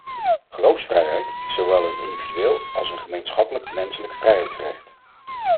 Geloofsvrijheid is zowel een individueel als een gemeenschappelijk menselijk vrijheidsrecht.